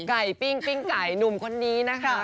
ปิ้งปิ้งไก่หนุ่มคนนี้นะคะ